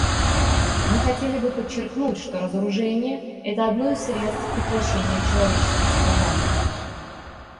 Мы хотели бы подчеркнуть, что разоружение — это одно из средств прекращения человеческих страданий.